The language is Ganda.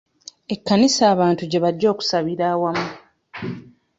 Ekkanisa abantu gye bajja okusabira awamu.